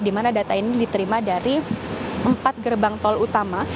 di mana data ini diterima dari empat gerbang tol utama